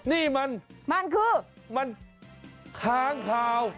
นี่มันมันคือมันค้างข่าว